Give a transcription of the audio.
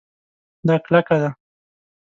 دا کلکه ده